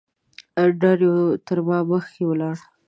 انډریو تر ما مخکې ولاړ.